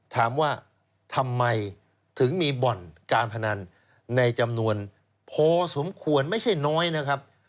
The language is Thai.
ถามว่าทำไมถึงมีบ่อนการพนันในจำนวนพอสมควรไม่ใช่น้อยนะครับ